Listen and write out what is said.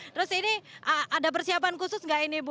terus ini ada persiapan khusus nggak ini bu